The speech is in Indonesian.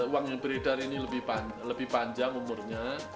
uang yang beredar ini lebih panjang umurnya